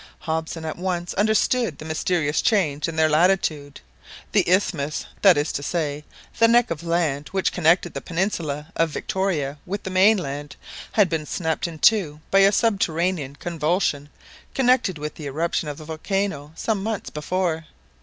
Hobson at once understood the mysterious change in their latitude. The isthmus—that is to say, the neck of land which connected the peninsula of Victoria with the mainland—had been snapped in two by a subterranean convulsion connected with the eruption of the volcano some months before.